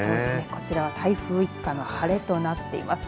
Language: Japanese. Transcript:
こちらは台風一過の晴れとなっています。